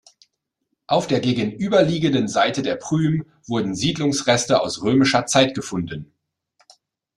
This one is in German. Auf der gegenüberliegenden Seite der Prüm wurden Siedlungsreste aus römischer Zeit gefunden.